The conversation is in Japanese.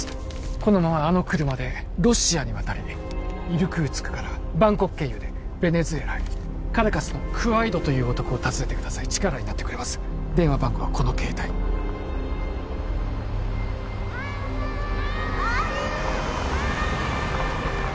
このままあの車でロシアに渡りイルクーツクからバンコク経由でベネズエラへカラカスのクアイドという男を訪ねてください力になってくれます電話番号はこの携帯あっパパ！